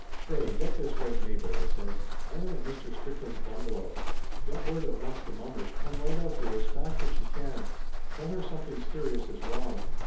"Say get this right, Mabel," I says. "I am at Mr. Strickland's bungalow. Get word at once to mommer to come right out here as fast as she can. Tell her something serious is wrong.